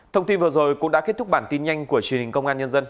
thông tin vừa rồi cũng đã kết thúc bản tin nhanh của truyền hình công an nhân dân